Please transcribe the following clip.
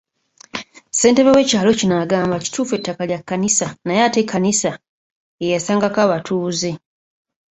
Ssentebe w'ekyalo kino agamba kituufu ettaka lya Kkanisa naye ate Ekkanisa ye yasangako abatuuze.